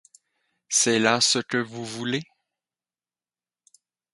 C'est là ce que vous voulez?